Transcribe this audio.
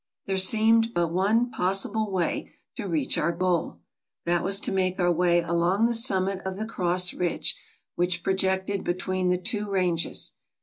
There seemed but one possible way to reach our goal ; that was to make our way along the summit of the cross ridge which projected between the two ranges.